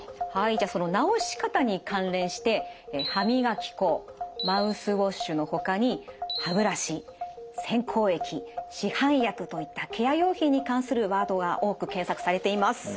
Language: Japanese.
じゃあその治し方に関連して「歯磨き粉」「マウスウォッシュ」のほかに「歯ブラシ」「洗口液」「市販薬」といったケア用品に関するワードが多く検索されています。